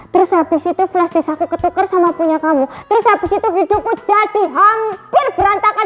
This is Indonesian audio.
terus habis itu flash disk aku ketukar sama punya kamu terus habis itu hidupku jadi hampir berantakan